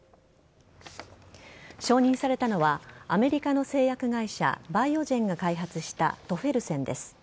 承認されたのはアメリカの製薬会社バイオジェンが開発したトフェルセンです。